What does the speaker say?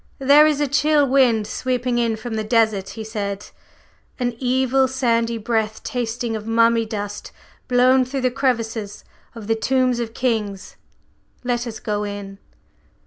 "There is a chill wind sweeping in from the desert," he said, "an evil, sandy breath tasting of mummy dust blown through the crevices of the tombs of kings. Let us go in."